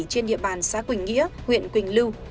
trên địa bàn xã quỳnh nghĩa huyện quỳnh lưu